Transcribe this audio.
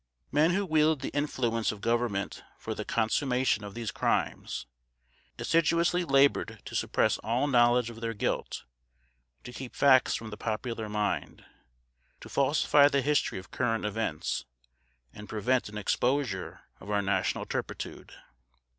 Men who wielded the influence of Government for the consummation of these crimes, assiduously labored to suppress all knowledge of their guilt; to keep facts from the popular mind; to falsify the history of current events, and prevent an exposure of our national turpitude.